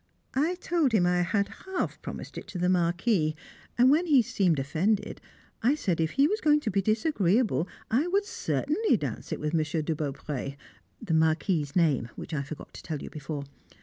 I told him I had half promised it to the Marquis; and when he seemed offended, I said if he was going to be disagreeable I would certainly dance it with Monsieur de Beaupré (the Marquis's name, which I forgot to tell you before).